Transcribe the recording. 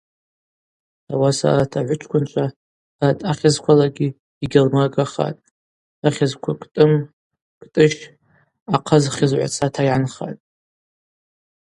Ауаса арат агӏвычкӏвынчва Арат ахьызквалагьи йгьалмыргахатӏ: Ахьызква Кӏтӏым, Кӏтӏыщ Ахъаз хьызгӏвацата йгӏанхатӏ.